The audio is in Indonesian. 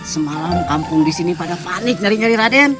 semalam kampung di sini pada panik nyari nyari raden